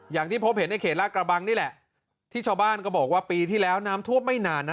อย่างที่พบเห็นในเขตลาดกระบังนี่แหละที่ชาวบ้านก็บอกว่าปีที่แล้วน้ำท่วมไม่นานนะ